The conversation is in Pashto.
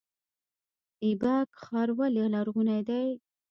ایبک ښار ولې لرغونی دی؟